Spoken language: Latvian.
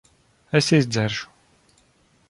Es izdzeršu.